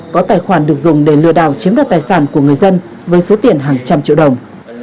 có tài khoản được dùng để lừa đảo chiếm đoạt tài sản của người dân với số tiền hàng trăm triệu đồng